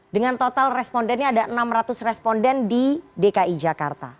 dengan total respondennya ada enam ratus responden di dki jakarta